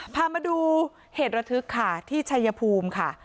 พามาดูเหตุระทึกค่ะที่ชัยภูมิค่ะ